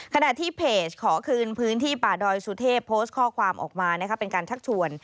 ขณะที่เพจขอคืนพื้นที่ป่าดอยสุเทพโพสต์ข้อความออกมาเป็นการชักชวน